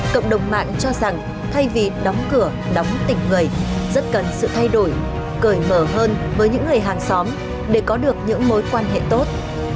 cộng đồng mạng cho rằng thay vì đóng cửa đóng tình người rất cần sự thay đổi cởi mở hơn với những người hàng xóm để có được những mối quan hệ tốt